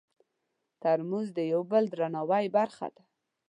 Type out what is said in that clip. ترموز د یو بل د درناوي برخه ده.